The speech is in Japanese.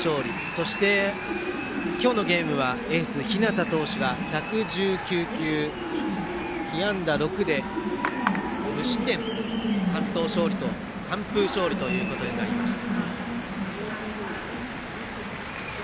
そして今日のゲームはエース、日當投手が１１９球、被安打６で無失点完封勝利となりました。